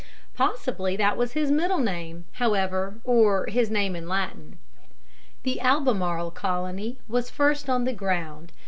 Possibly that was his middle name, however, or his name in Latin. The Albemarle Colony was first on the ground.